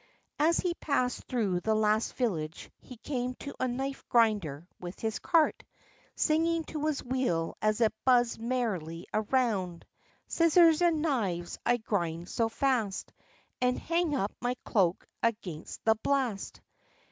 As he passed through the last village he came to a knife grinder with his cart, singing to his wheel as it buzzed merrily round— "Scissors and knives I grind so fast, And hang up my cloak against the blast."